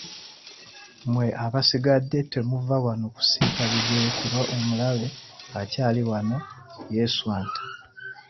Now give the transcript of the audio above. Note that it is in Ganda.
Mmwe abasigadde temuva wano kusiita bigere kuba omulabe akyaliwo yeeswanta.